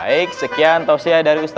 baik sekian tausia dari ustaz